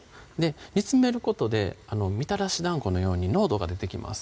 煮詰めることでみたらしだんごのように濃度が出てきます